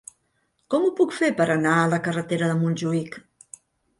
Com ho puc fer per anar a la carretera de Montjuïc?